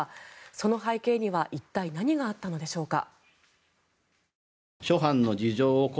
その背景には一体、何があったのでしょうか。